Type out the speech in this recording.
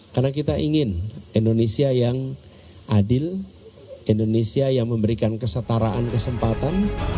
karena kita ingin indonesia yang adil indonesia yang memberikan kesetaraan kesempatan